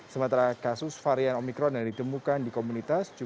sementara kasus varian omikron yang ditemukan di komunitas